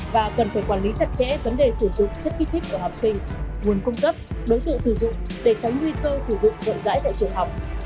và cần phải quản lý chặt chẽ vấn đề sử dụng chất kích thích của học sinh nguồn cung cấp đối tượng sử dụng để tránh nguy cơ sử dụng rộng rãi tại trường học